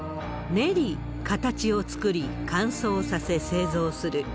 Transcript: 練り、形を作り、乾燥させ、製造する。